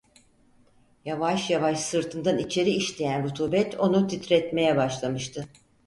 Yavaş yavaş sırtından içeri işleyen rutubet onu titretmeye başlamıştı.